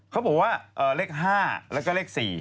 เขาบอกว่าเลข๕แล้วก็เลข๔